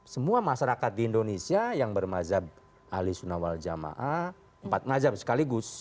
semua masyarakat di indonesia yang bermazhab ahli sunnah wal jamaah empat mazhab sekaligus